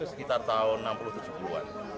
sekitar tahun enam puluh tujuh puluh an